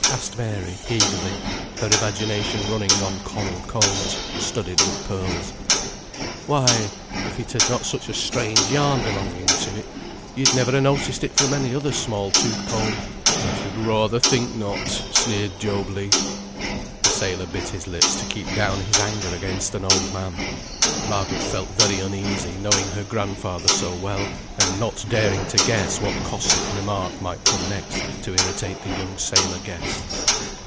asked Mary, eagerly; her imagination running on coral combs, studded with pearls. "Why, if it had not had such a strange yarn belonging to it, you'd never ha' noticed it from any other small tooth comb." "I should rather think not," sneered Job Legh. The sailor bit his lips to keep down his anger against an old man. Margaret felt very uneasy, knowing her grandfather so well, and not daring to guess what caustic remark might come next to irritate the young sailor guest.